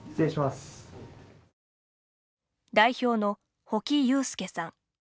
代表の保木佑介さん。